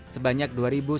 sebanyak dua kasus